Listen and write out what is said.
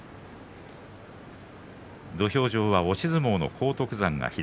土俵上は押し相撲の荒篤山が左。